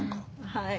はい。